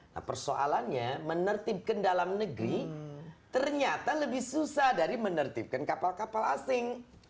nah persoalannya menertibkan dalam negeri ternyata lebih susah dari menertibkan kapal kapal asing